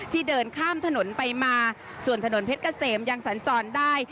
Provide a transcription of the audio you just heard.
เดินข้ามถนนไปมาส่วนถนนเพชรเกษมยังสัญจรได้